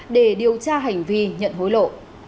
để điều tra hành vi nhận hối lộ